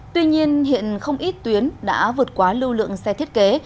tuy nhiên hiện không ít tuyến đã vượt quá lưu lượng xe thiết kế